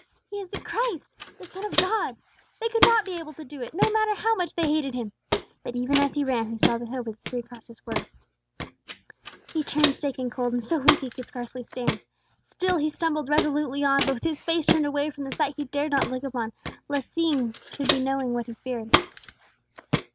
He is the Christ! The Son of God! They could not be able to do it, no matter how much they hated Him!" But even as he ran he saw the hill where three crosses rose. He turned sick and cold, and so weak he could scarcely stand. Still he stumbled resolutely on, but with his face turned away from the sight he dared not look upon, lest seeing should be knowing what he feared.